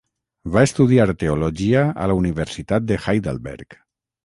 Va estudiar teologia a la Universitat de Heidelberg.